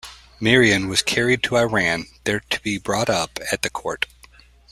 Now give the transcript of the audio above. Mirian was carried to Iran, there to be brought up at the court.